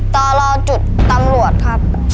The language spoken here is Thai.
ตรตำรวจครับ